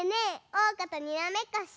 おうかとにらめっこしよう！